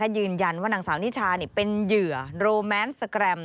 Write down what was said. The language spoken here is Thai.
ยืนยันว่านางสาวนิชาเป็นเหยื่อโรแมนสแกรม